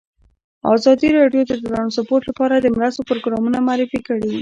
ازادي راډیو د ترانسپورټ لپاره د مرستو پروګرامونه معرفي کړي.